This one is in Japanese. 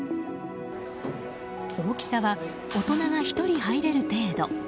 大きさは大人が１人入れる程度。